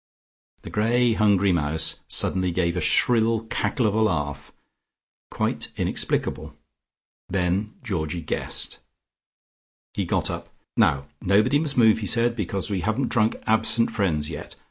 The grey hungry mouse suddenly gave a shrill cackle of a laugh, quite inexplicable. Then Georgie guessed. He got up. "Now nobody must move," he said, "because we haven't drunk 'absent friends' yet.